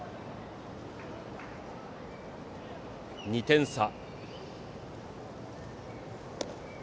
２点差。